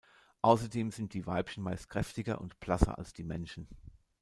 Außerdem sind die Weibchen meist kräftiger und blasser als die Männchen.